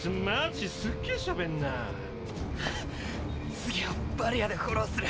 次はバリアでフォローする。